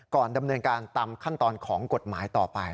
ดำเนินการตามขั้นตอนของกฎหมายต่อไป